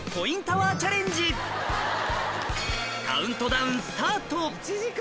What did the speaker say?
カウントダウンスタート